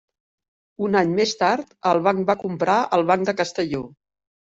Un any més tard, el banc va comprar el Banc de Castelló.